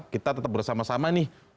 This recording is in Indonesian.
kita tetap bersama sama nih